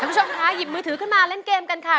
คุณผู้ชมค่ะหยิบมือถือขึ้นมาเล่นเกมกันค่ะ